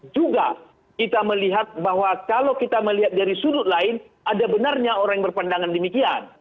seribu sembilan ratus empat puluh lima juga kita melihat bahwa kalau kita melihat dari sudut lain ada benarnya orang yang berpandangan demikian